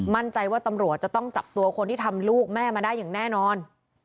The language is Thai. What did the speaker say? มั่นใจว่าตำรวจจะต้องจับตัวคนที่ทำลูกแม่มาได้อย่างแน่นอน